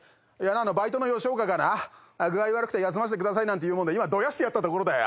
なんかバイトのヨシオカがな「具合悪くて休ませてください」なんて言うもんで今どやしてやったところだよ。